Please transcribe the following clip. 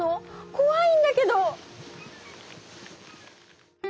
こわいんだけど！